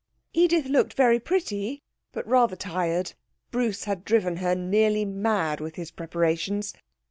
Edith looked very pretty, but rather tired. Bruce had driven her nearly mad with his preparations.